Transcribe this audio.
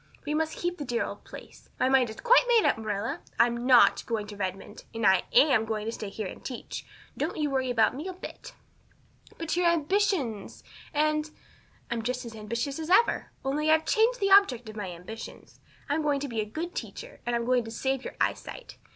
We must keep the dear old place. My mind is quite made up, Marilla. I'm not going to Redmond; and I am going to stay here and teach. Don't you worry about me a bit." "But your ambitions and " "I'm just as ambitious as ever. Only, I've changed the object of my ambitions. I'm going to be a good teacher and I'm going to save your eyesight.